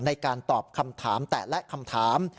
ในการตอบคำถามแต่ละคำถาม